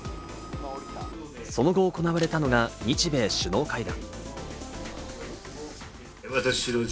その後、行われたのが日米首脳会談。